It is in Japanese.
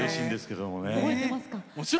覚えてますか？